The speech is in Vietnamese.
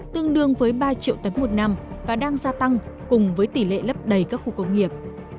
tương đương với ba triệu tấn một năm và đang gia tăng cùng với tỷ lệ lấp đầy các khu công nghiệp